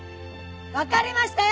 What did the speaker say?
わかりましたよ！